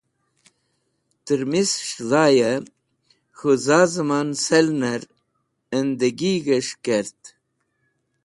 Tẽrmis̃h dhayẽ k̃hũ zã zẽman selnẽr ẽndegig̃h kẽt